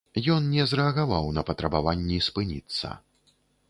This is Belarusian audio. Ён не зрэагаваў на патрабаванні спыніцца.